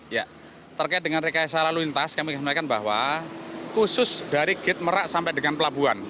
ya terkait dengan rekayasa lalu lintas kami mengatakan bahwa khusus dari gate merak sampai dengan pelabuhan